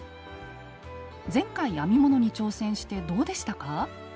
前回編み物に挑戦してどうでしたか？